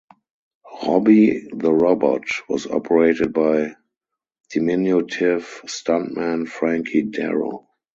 Robby the Robot was operated by diminutive stuntman Frankie Darro.